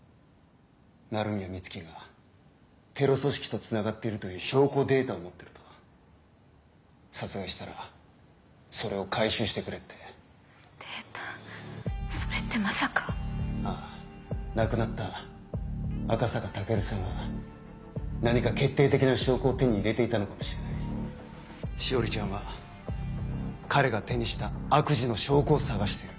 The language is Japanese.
鳴宮美月がテロ組織とつながっているという証拠データを持ってると殺害したらそれを回収してくれってデータそれってまさかああ亡くなった赤坂武尊さんは何か決定的な証拠を手に入れていたのかもしれない詩織ちゃんは彼が手にした悪事の証拠を探している。